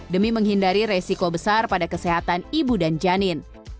demi menghindari resiko besar pada kesehatan ibu dan janin